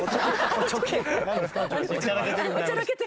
おちゃらけてる。